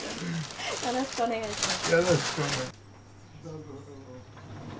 よろしくお願いします。